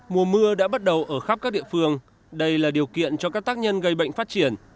mùa mưa đã bắt đầu ở khắp các địa phương đây là điều kiện cho các tác nhân gây bệnh phát triển